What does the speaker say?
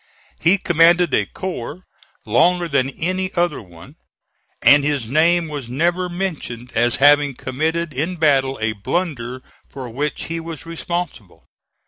He commanded a corps longer than any other one, and his name was never mentioned as having committed in battle a blunder for which he was responsible.